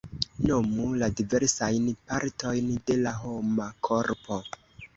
Nomu la diversajn partojn de la homa korpo.